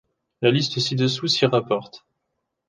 La liste ci-dessous s’y rapporte.